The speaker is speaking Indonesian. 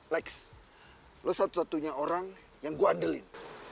lex lo satu satunya orang yang gue andalin